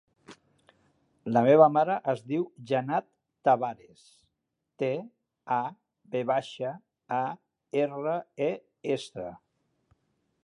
La meva mare es diu Janat Tavares: te, a, ve baixa, a, erra, e, essa.